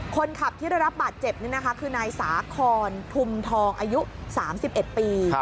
คนขับที่ได้รับบาดเจ็บนี่นะคะคือนายสาคอนทุมทองอายุ๓๑ปี